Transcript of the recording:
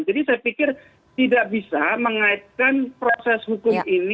jadi saya pikir tidak bisa mengaitkan proses hukum ini